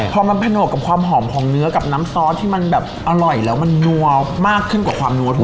พอมันผนวกกับความหอมของเนื้อกับน้ำซอสที่มันแบบอร่อยแล้วมันนัวมากขึ้นกว่าความนัวถูก